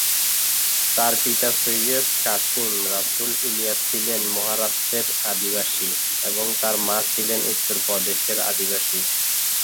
তার পিতা সৈয়দ কাশিম রাসুল ইলিয়াস ছিলেন মহারাষ্ট্রের অধিবাসী এবং তার মা ছিলেন উত্তর প্রদেশের অধিবাসী।